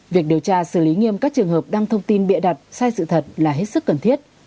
việc điều tra xử lý nghiêm các trường hợp đăng thông tin bịa đặt sai sự thật là hết sức cần thiết